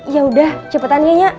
yaudah cepetan ya nyak